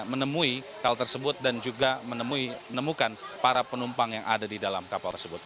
menemui hal tersebut dan juga menemukan para penumpang yang ada di dalam kapal tersebut